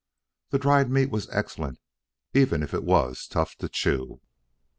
The dried meat was excellent, even if it was tough to chew.